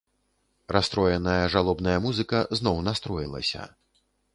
Расстроеная жалобная музыка зноў настроілася.